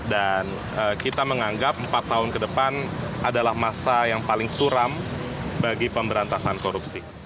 dan kita menganggap empat tahun ke depan adalah masa yang paling suram bagi pemberantasan korupsi